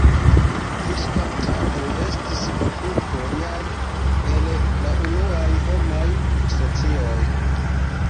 Fiŝkaptado estis okupo jam el la unuaj homaj socioj.